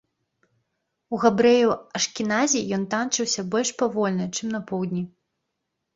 У габрэяў-ашкеназі ён танчыўся больш павольна, чым на поўдні.